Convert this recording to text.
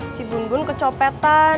si bun bun kecopetan